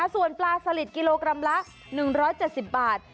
ส่วนปลาสลิดกิโลกรัมละ๑๗๐บาท